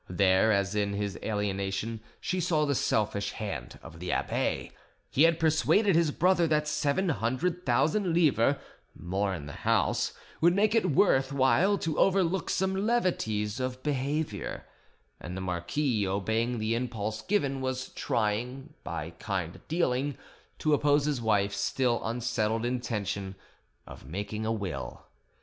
There, as in his alienation, she saw the selfish hand of the abbe: he had persuaded his brother that seven hundred thousand livres more in the house would make it worth while to overlook some levities of behaviour; and the marquis, obeying the impulse given, was trying, by kind dealing, to oppose his wife's still unsettled intention of making a will.